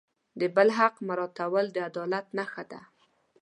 د بل حق مراعتول د عدالت نښه ده.